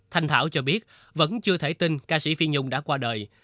thanh thảo cho biết vẫn chưa thể tin ca sĩ phi nhung đã qua đời